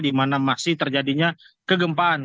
dimana masih terjadinya kegempaan